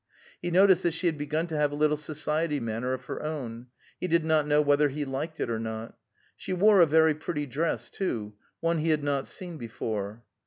He noticed that she had begun to have a little society manner of her own; he did not know whether he liked it or not. She wore a very pretty dress, too; one he had not seen before.